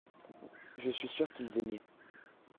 je suis sûr qu'ils aimaient.